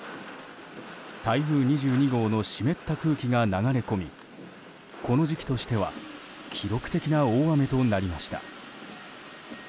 台風２２号の湿った空気が流れ込みこの時期としては記録的な大雨となりました。